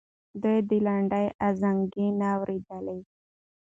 دوی د لنډۍ ازانګې نه اورېدلې.